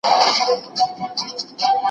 دا اثار د نوي ادب پیل ګڼل کېږي.